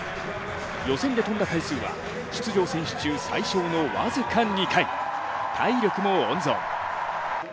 予選で跳んだ回数は、出場選手中最少の僅か２回、体力も温存。